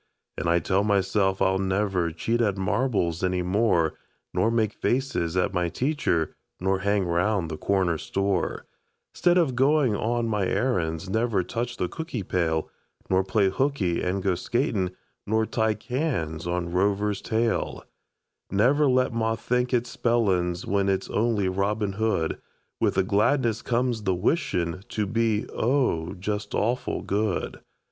An' I tell myself I'll never Cheat at marbles any more, Nor make faces at my teacher, Nor hang round the corner store 'Stead of goin' on my errands; Never touch the cookie pail, Nor play hooky an' go skatin', Nor tie cans on Rover's tail; Never let ma think it's spellings When it's only Robin Hood. With the gladness comes the wishin' To be, oh, just awful good!